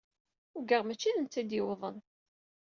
Ugaɣ mačči d netta i d-yewwḍen.